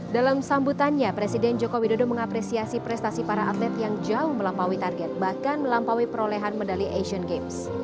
dalam sambutannya presiden joko widodo mengapresiasi prestasi para atlet yang jauh melampaui target bahkan melampaui perolehan medali asian games